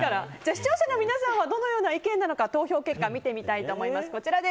視聴者の皆さんはどのような意見なのか投票結果を見てみましょう。